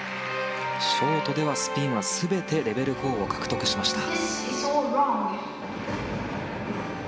ショートではスピンは全てレベル４を獲得しました。